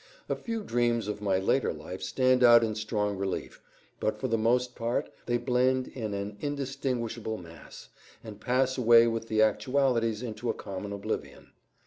A few dreams of my later life stand out in strong relief, but for the most part they blend in an indistinguishable mass, and pass away with the actualities into a common oblivion.